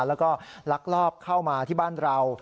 แล้วก็ลักลอบเข้ามาที่บ้านเรา